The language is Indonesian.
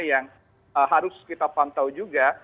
yang harus kita pantau juga